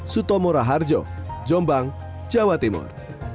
sutomora harjo jombang jawa timur